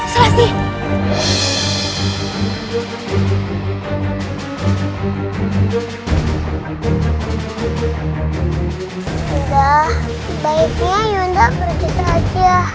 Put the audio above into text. sebaiknya yunda pergi saja